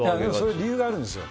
理由があるんですよ。